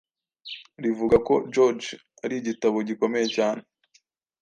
rivuga ko George ari igitabo gikomeye cyane